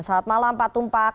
selamat malam pak tumpak